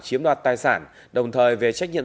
chiếm đoạt tài sản đồng thời về trách nhiệm